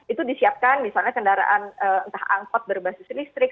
itu disiapkan misalnya kendaraan entah angkot berbasis listrik